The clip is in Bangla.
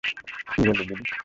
কী বললে, লিলি?